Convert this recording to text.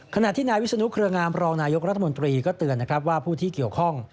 ขณะที่นายวิชนุฆริงามณีรัฐมนตรีตื่นว่าผู้ที่เกี่ยวข้อง